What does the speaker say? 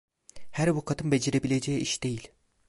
Her avukatın becerebileceği iş değil…